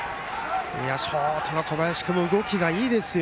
ショートの小林君も動きがいいですよ。